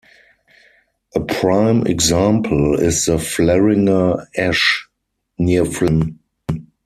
A prime example is the Fleringer Esch, near Fleringen.